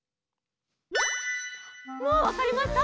もうわかりました？